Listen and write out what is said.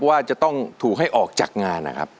ว่าจะต้องถูกให้ออกจากงานนะครับ